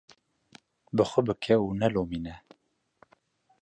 Bi xwe bike û nelomîne.